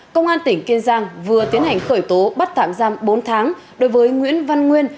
công an tỉnh kiên giang vừa tiến hành khởi tố bắt tạm giam bốn tháng đối với nguyễn văn nguyên